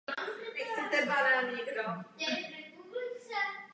Vzbuzuje však obavy ohledně ochrany občanských svobod a základních práv.